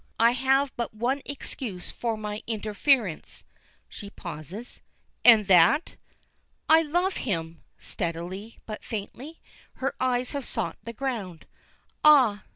I have but one excuse for my interference" She pauses. "And that!" "I love him!" steadily, but faintly. Her eyes have sought the ground. "Ah!"